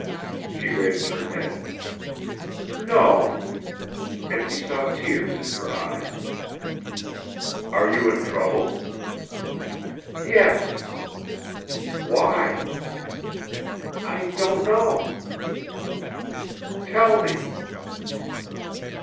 She raised her head. "No!" And he saw tears in her eyes. "Are you in trouble?" "Yes." "Why?" "I don't know." "Tell me...."